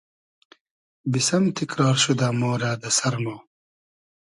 بیسئم تیکرار شودۂ مۉرۂ دۂ سئر مۉ